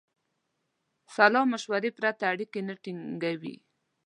سلامشورې پرته اړیکې نه ټینګوي.